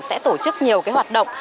sẽ tổ chức nhiều cái hoạt động